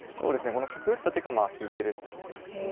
この角打った手が利いてるっていうことですよね。